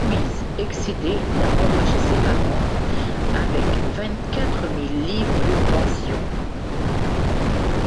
Soubise, excédé, la renvoie chez ses parents avec vingt-quatre mille livres de pension.